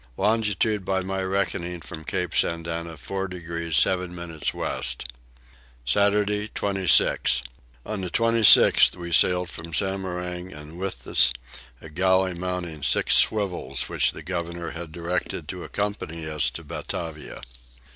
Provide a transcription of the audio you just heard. Longitude by my reckoning from Cape Sandana 4 degrees 7 minutes west. Saturday 26. On the 26th we sailed from Samarang and with us a galley mounting six swivels which the governor had directed to accompany us to Batavia.